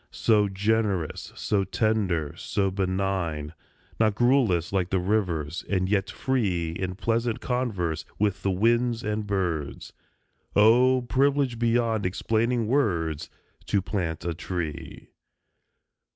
So generous, so tender, so benign. Not garrulous like the rivers; and yet free In pleasant converse with the winds and birds; Oh! privilege beyond explaining words, To plant a tree.